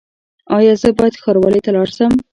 ایا زه باید ښاروالۍ ته لاړ شم؟